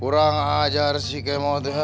kurang ajar si kemot